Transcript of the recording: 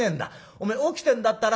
お前起きてんだったらな